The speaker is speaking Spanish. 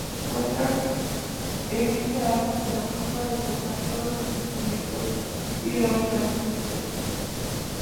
Waters en este álbum se ocupa de tocar todos los instrumentos y la vocalización.